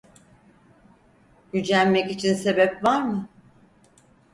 Gücenmek için sebep var mı?